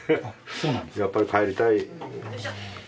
やっぱり帰りたい。